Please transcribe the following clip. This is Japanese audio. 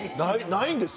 ないんですよ。